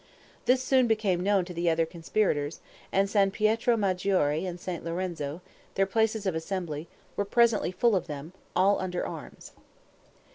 This soon became known to the other conspirators, and San Pietro Maggiore and St. Lorenzo, their places of assembly, were presently full of them, all under arms.